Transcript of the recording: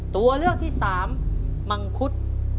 ตัวเลือกที่สามมังคุด